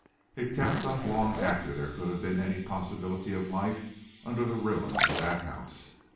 It kept up long after there could have been any possibility of life under the ruins of that house.